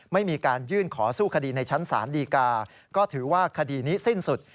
ไม่มีการยื่นขอสู้คดีในชั้นศาลดีกาก็ถือว่าคดีนี้สิ้นสุด